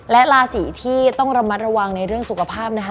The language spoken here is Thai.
และราศีที่ต้องระมัดระวังในเรื่องสุขภาพนะคะ